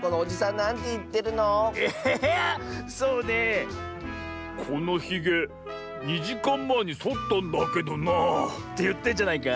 そうねえ「このひげ２じかんまえにそったんだけどなあ」っていってんじゃないか？